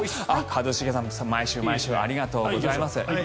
一茂さんも毎週毎週ありがとうございます。